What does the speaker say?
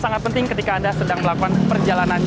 sangat penting ketika anda sedang melakukan perjalanan